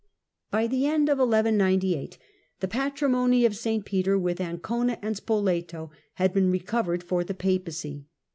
By the end of 1198 the Patrimony of St Peter with Ancona and Spoleto had been recovered for the Papacy.